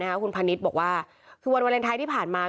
อันนี้บอกว่าวันวาเลนไทยที่ผ่านมา